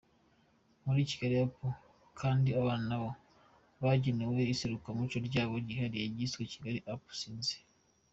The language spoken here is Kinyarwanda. Muri KigaliUp! kandi abana nabo bagenewe iserukiramuco ryabo ryihariye ryiswe Kigaliapu! Kinzi.